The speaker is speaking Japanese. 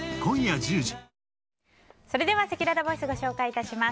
それでは、せきららボイスをご紹介します。